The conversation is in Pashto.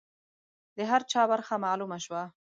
د هر چا برخه معلومه شوه.